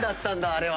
あれは。